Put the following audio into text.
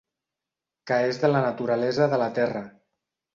Que és de la naturalesa de la terra.